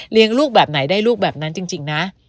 ลูกแบบไหนได้ลูกแบบนั้นจริงนะ